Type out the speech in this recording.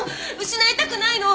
失いたくないの！